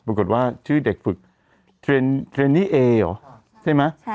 ปรากฏว่าชื่อเด็กฝึกเทรนเทรนนี่เอเหรอใช่ไหม